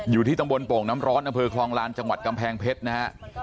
อยู่ที่ตำบลโป่งน้ำร้อนอำเภอคลองลานจังหวัดกำแพงเพชรนะฮะ